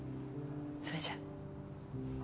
それじゃ。